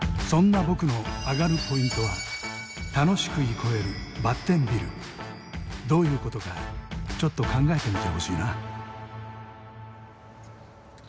そんな僕のどういうことかちょっと考えてみてほしいな。